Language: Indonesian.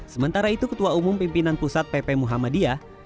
sementara itu ketua umum pimpinan pusat pp muhammadiyah